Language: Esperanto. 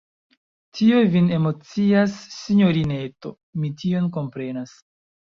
Tio vin emocias, sinjorineto: mi tion komprenas.